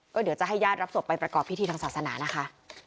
ก็เดี๋ยวจะให้ญาติรับศพไปประกอบพิธีทางศาสนานะคะ